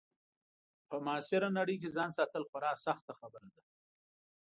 په معاصره نړۍ کې ځان ساتل خورا سخته خبره ده.